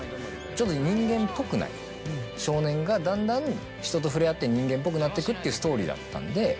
ちょっと人間っぽくない少年がだんだん人と触れ合って人間っぽくなってくっていうストーリーだったんで。